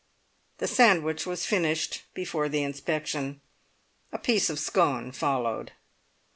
The sandwich was finished before the inspection. A piece of scone followed.